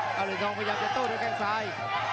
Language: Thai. เก้าเหลือนทองพยายามจะโตด้วยแกร่งทราย